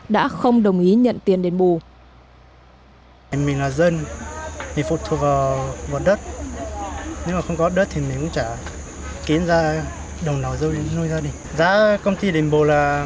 đã không đồng ý nhận tiền đền bù